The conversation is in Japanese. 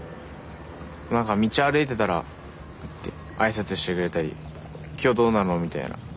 何か道歩いてたらって挨拶してくれたり今日どうなの？みたいな。